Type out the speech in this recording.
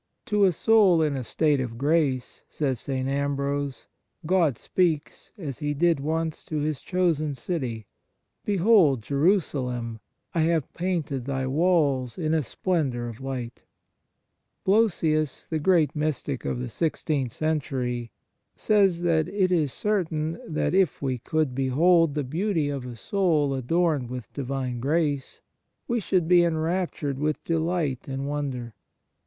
To a soul in a state of grace," says St. Ambrose,* i Hex., lib. vi., cap. 7. 7 1 THE MARVELS OF DIVINE GRACE God speaks as He did once to His chosen city: Behold, Jerusalem, I have painted thy walls in a splendour of light." Blosius, the great mystic of the sixteenth century, says that it is certain that if we could behold the beauty of a soul adorned with Divine grace, we should be enraptured with delight and wonder.